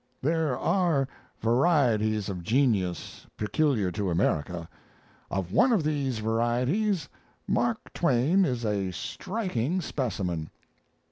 There are varieties of genius peculiar to America. Of one of these varieties Mark Twain is a striking specimen.